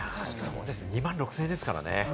２万６０００円ですからね。